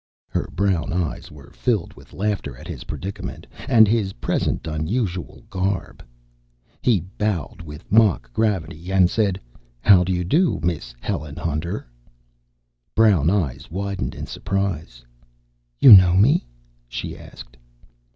Her brown eyes were filled with laughter at his predicament and his present unusual garb. He bowed with mock gravity and said, "How do you do, Miss Helen Hunter?" Brown eyes widened in surprise. "You know me?" she asked.